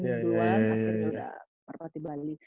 akhirnya udah merpati bali